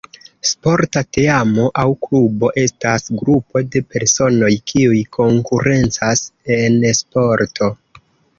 Sporta teamo aŭ klubo estas grupo de personoj kiuj konkurencas en sporto.